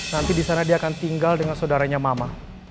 nanti disana dia akan tinggal dengan saudaranya mama